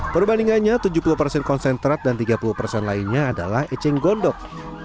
berbandingannya tujuh puluh konsentrat dan tiga puluh lainnya adalah cenggondok